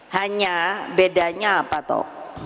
hanya bedanya apa toh